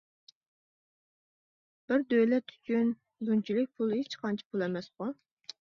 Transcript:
بىر دۆلەت ئۈچۈن بۇنچىلىك پۇل ھېچ قانچە پۇل ئەمەسقۇ.